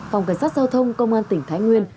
phòng cảnh sát giao thông công an tỉnh thái nguyên